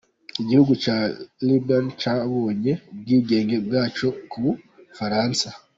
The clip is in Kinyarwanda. Igihugu cya Liban cyabonye ubwigenge bwacyo ku Bufaransa.